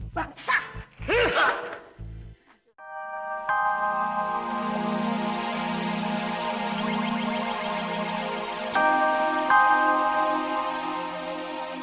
aku akan menandatangani surat ini untukmu